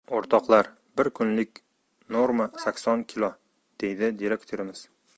— O‘rtoqlar, bir kunlik norma sakson kilo! — deydi direktorimiz.